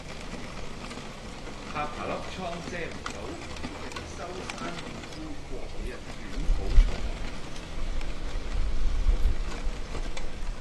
下巴粒瘡遮唔到，決定收山護膚過幾日捲土重來